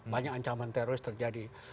banyak ancaman teroris terjadi